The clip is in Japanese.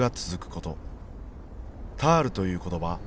タールという言葉